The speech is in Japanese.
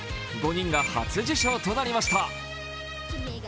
５人が初受賞となりました。